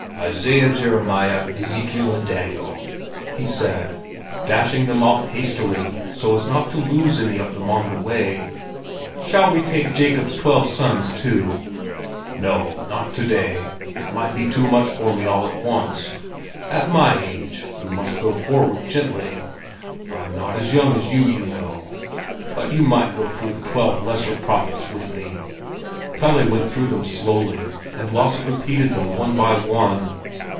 "Isaiah, Jeremiah, Ezekiel, and Daniel!" he said, dashing them off hastily, so as not to lose any of them on the way. "Shall we take Jacob's twelve sons, too?" "No, not to day. It might be too much for me all at once. At my age you must go forward gently; I'm not as young as you, you know. But you might go through the twelve lesser prophets with me." Pelle went through them slowly, and Lasse repeated them one by one.